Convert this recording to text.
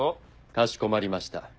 かしこまりました。